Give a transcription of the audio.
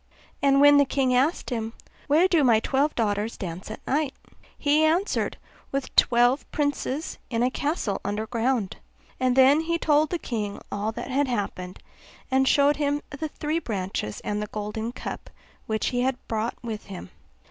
And when the king asked him. 'Where do my twelve daughters dance at night?' he answered, 'With twelve princes in a castle under ground.' And then he told the king all that had happened, and showed him the three branches and the golden cup which he had brought with him.